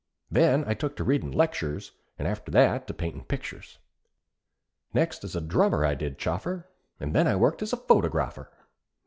Then I took to readin' lectures, And after that to paintin' pictures. Next as drummer I did chaffer, And then I worked as photográpher.